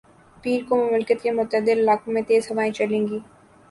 پیر کو مملکت کے متعدد علاقوں میں تیز ہوائیں چلیں گی